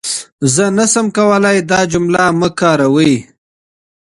زه نشم کولای دا جمله مه کاروئ.